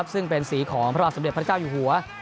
ซึ่งเป็นสีของพระบาทสมเด็จพระเจ้าอยู่หัว